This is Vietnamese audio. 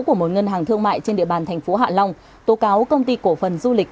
của một ngân hàng thương mại trên địa bàn thành phố hạ long tố cáo công ty cổ phần du lịch